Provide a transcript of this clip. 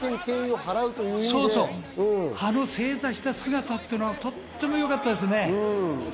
そうそう、あの正座した姿はとってもよかったね。